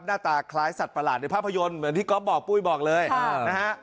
หน้าตาคล้ายสัตว์ประหลาดในภาพยนตร์เหมือนที่ก๊อฟบอกปุ้ยบอกเลยนะฮะ